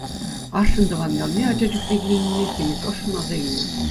Ашшӗн тӑван ялне ача чухне килнине химик ӑшшӑн аса илнӗ.